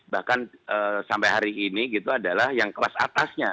bahkan sampai hari ini gitu adalah yang kelas atasnya